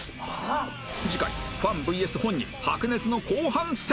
次回ファン ＶＳ 本人白熱の後半戦！